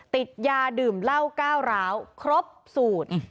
ติดยาดื่มเหล้าก้าวร้าวครบสูตร